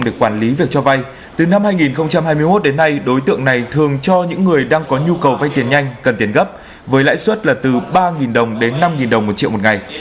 từ năm hai nghìn hai mươi một đến nay đối tượng này thường cho những người đang có nhu cầu vay tiền nhanh cần tiền gấp với lãi suất là từ ba đồng đến năm đồng một triệu một ngày